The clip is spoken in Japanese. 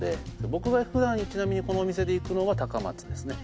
僕が普段ちなみにこのお店で行くのは高松ですね。